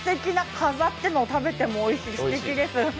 飾っても食べてもおいしいすてきです。